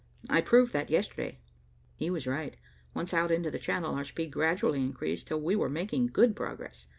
I proved that yesterday." He was right. Once out into the Channel, our speed gradually increased, till we were making good progress.